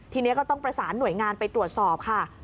ทีนี้ก็ต้องประสานหน่วยงานไปตรวจสอบค่ะ